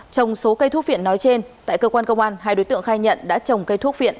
trong số cây thuốc viện nói trên tại cơ quan công an hai đối tượng khai nhận đã trồng cây thuốc viện